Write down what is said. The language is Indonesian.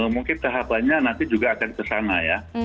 mungkin tahap lainnya nanti juga akan kesana ya